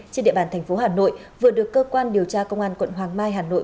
trên địa bàn thành phố hà nội vừa được cơ quan điều tra công an quận hoàng mai hà nội